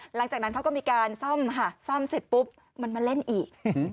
หลังจากนั้นเขาก็มีการซ่อมค่ะซ่อมเสร็จปุ๊บมันมาเล่นอีก